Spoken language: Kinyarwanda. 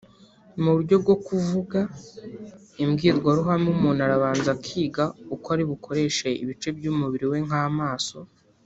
Mu buryo bwo kuvuga imbwirwaruhame umuntu arabanza akiga uko ari bukoreshe ibice by’umubiri we nk’amaso